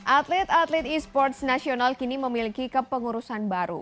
atlet atlet esports nasional kini memiliki kepengurusan baru